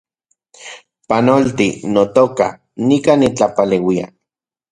Panolti, notoka, nikan nitlapaleuia